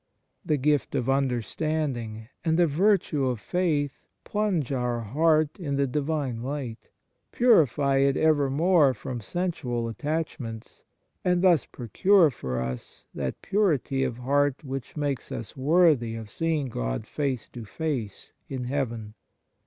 The gift of understanding and the virtue of faith plunge our heart in the Divine light, purify it evermore from sensual attachments, and thus procure for us that purity of heart which makes us worthy of seeing God face to face in heaven.